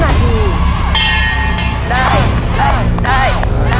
ได้ได้ได้